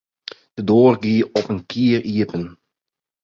De doar gie op in kier iepen.